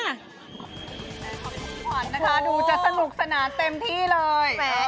ดูจะสนุกสนานเต็มที่เลย